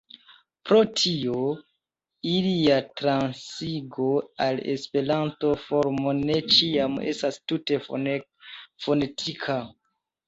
Pro tio ilia transigo al Esperanta formo ne ĉiam estas tute fonetika.